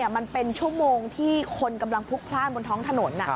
มันเป็นชั่วโมงที่คนกำลังพลุกพลาดบนท้องถนน